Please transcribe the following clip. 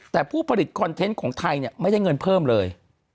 แต่ผู้ผลิตคอนเทนต์ของไทยเนี่ยไม่ได้เงินเพิ่มเลย